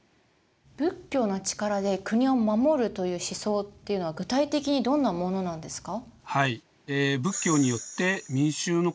仏教の力で国を護るという思想っていうのは具体的にどんなものなんですか？